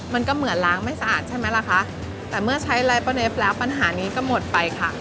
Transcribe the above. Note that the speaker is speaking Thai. มันก็เหมือนล้างไม่สะอาดใช่ไหมล่ะคะแต่เมื่อใช้ไลเปอร์เนฟแล้วปัญหานี้ก็หมดไปค่ะ